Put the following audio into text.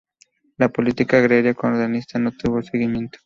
La política agraria cardenista no tuvo seguimiento.